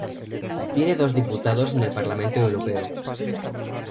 Tiene dos diputados en el Parlamento Europeo.